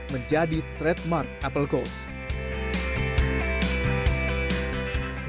menjadi trademark apple coast